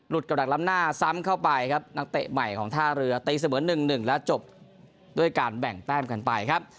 กระดักล้ำหน้าซ้ำเข้าไปครับนักเตะใหม่ของท่าเรือตีเสมอ๑๑แล้วจบด้วยการแบ่งแต้มกันไปครับ